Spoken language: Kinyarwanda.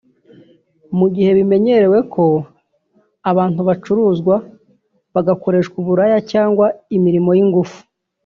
Mu gihe bimenyerewe ko abantu bacuruzwa bagakoreshwa uburaya cyangwa imirimo y’ingufu